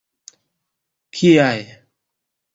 Kiaj?